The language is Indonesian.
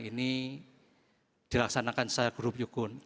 ini dilaksanakan secara grubyukun